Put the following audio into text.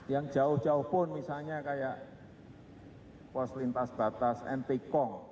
yang jauh jauh pun misalnya kayak pos lintas batas antikong